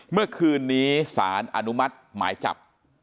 เมื่อคืนนี้สารอนุมัติหมายจับ